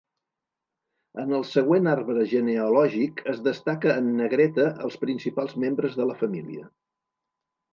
En el següent arbre genealògic es destaca en negreta els principals membres de la família.